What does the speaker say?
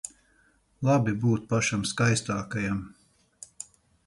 Labi būt pašam skaistākajam.